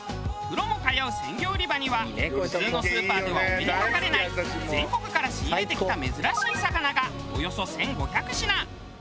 売り場には普通のスーパーではお目にかかれない全国から仕入れてきた珍しい魚がおよそ１５００品。